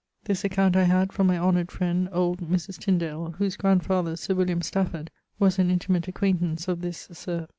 This account I had from my honoured friend old Mris. Tyndale, whose grandfather Sir William Stafford was an intimate acquaintance of this Sir